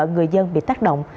người dân bị tác động